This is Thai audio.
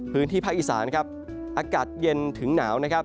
พื้นที่ภาคอีสานอากาศเย็นถึงหนาว